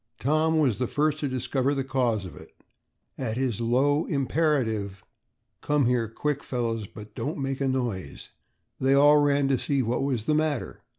Tom was the first to discover the cause of it. At his low, imperative, "Come here quick, fellows, but don't make a noise," they all ran to see what was the matter.